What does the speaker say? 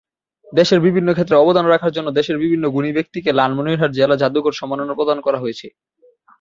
দেশের বিভিন্ন ক্ষেত্রে অবদান রাখার জন্য দেশের বিভিন্ন গুণী ব্যক্তিকে লালমনিরহাট জেলা জাদুঘর সম্মাননা প্রদান করা হয়ে থাকে।